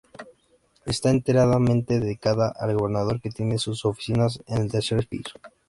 Está enteramente dedicada al Gobernador, que tiene sus oficinas en el tercer piso.